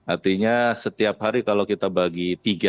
artinya setiap hari kalau kita bagi tiga